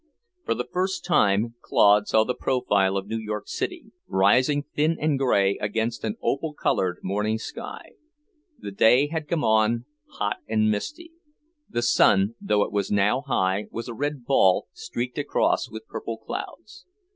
For the first time Claude saw the profile of New York City, rising thin and gray against an opal coloured morning sky. The day had come on hot and misty. The sun, though it was now high, was a red ball, streaked across with purple clouds.